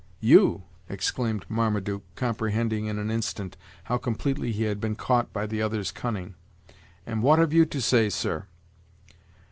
"You!" exclaimed Marmaduke, comprehending in an instant how completely he had been caught by the other's cunning; "and what have you to say, sir?"